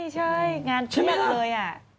ใช่ใช่งานจริงเลย